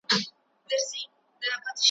کال په کال مو پسرلی بیرته راتللای `